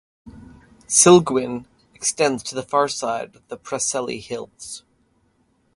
Cilgwyn extends to the far side of the Preseli Hills.